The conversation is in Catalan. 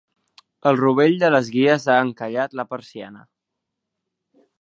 El rovell de les guies ha encallat la persiana.